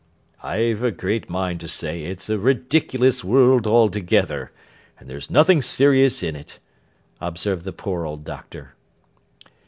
'I've a great mind to say it's a ridiculous world altogether, and there's nothing serious in it,' observed the poor old Doctor.